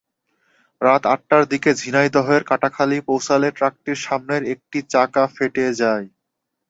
রাত আটটার দিকে ঝিনাইদহের কাটাখালী পৌঁছালে ট্রাকটির সামনের একটি চাকা ফেটে যায়।